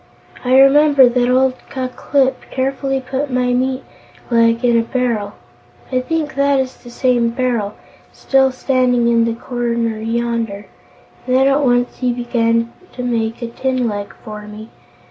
I remember that old Ku Klip carefully put my meat leg into a barrel I think that is the same barrel, still standing in the corner yonder and then at once he began to make a tin leg for me.